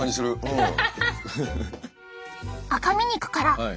うん。